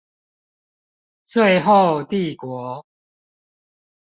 最後帝國